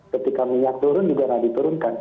ketika minyak turun juga tidak diturunkan